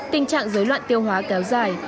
tình trạng dối loạn tiêu hóa kéo dài